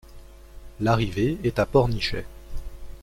L'arrivée est à Pornichet.